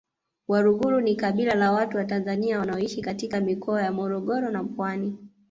Waluguru ni kabila la watu wa Tanzania wanaoishi katika mikoa ya Morogoro na Pwani